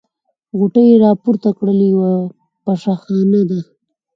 غوټې يې راپورته کړې: یوه پشه خانه ده.